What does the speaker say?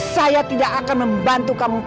saya tidak akan membantu kamu